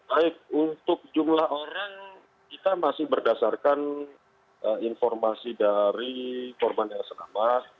baik untuk jumlah orang kita masih berdasarkan informasi dari korban yang selamat